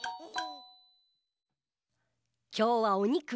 きょうはおにく？